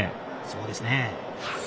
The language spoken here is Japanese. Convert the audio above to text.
そうですね。